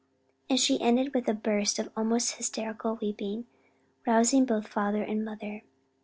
and she ended with a burst of almost hysterical weeping, rousing both father and mother.